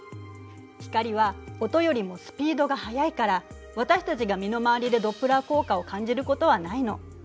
光は音よりもスピードが速いから私たちが身の回りでドップラー効果を感じることはないの。